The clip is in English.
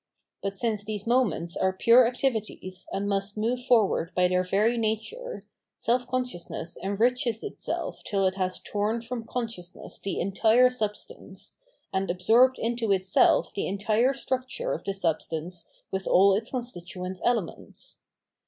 But since these moments are pure activities and must move forward by their very nature, self consciousness enriches itself till it has torn from con sciousness the entire substance, and absorbed into itself the entire structure of the substance with all its constituent elements.